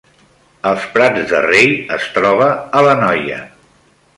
Els Prats de Rei es troba a l’Anoia